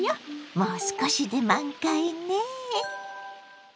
もう少しで満開ね！